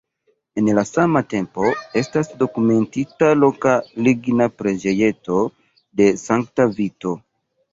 En la sama tempo estas dokumentita loka ligna preĝejeto de sankta Vito.